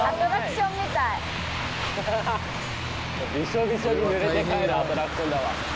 びしょびしょに濡れて帰るアトラクションだわ。